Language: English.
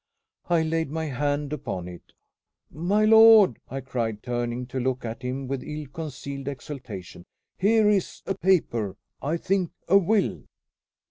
I laid my hand upon it. "My lord!" I cried, turning to look at him with ill concealed exultation, "here is a paper I think, a will!"